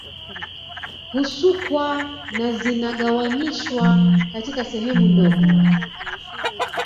Husukwa na zinagawanyishwa katika sehemu ndogo